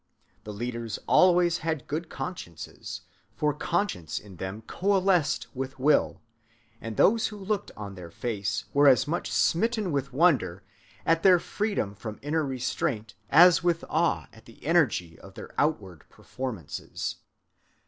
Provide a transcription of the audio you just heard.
The leaders always had good consciences, for conscience in them coalesced with will, and those who looked on their face were as much smitten with wonder at their freedom from inner restraint as with awe at the energy of their outward performances.